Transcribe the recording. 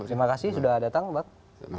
terima kasih sudah datang bang